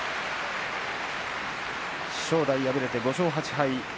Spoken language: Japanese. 正代、敗れて５勝８敗。